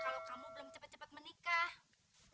kalau kamu belum cepat cepat menikah